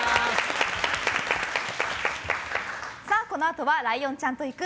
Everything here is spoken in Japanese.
このあとはライオンちゃんと行く！